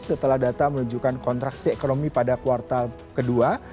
setelah data menunjukkan kontraksi ekonomi pada kuartal kedua